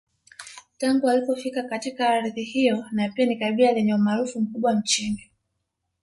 Tangu walipofika katika ardhi hiyo na pia ni kabila lenye umaarufu mkubwa nchini